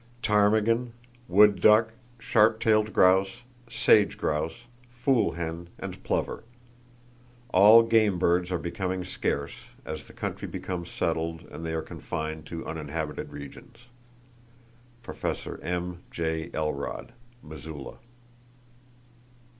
Ptarmigan, wood duck, sharp tailed grouse, sage grouse, fool hen and plover. All game birds are becoming scarce as the country becomes settled and they are confined to uninhabited regions.—(Prof. M.J. Elrod, Missoula.)